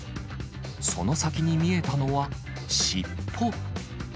その先に見えたのは、尻尾。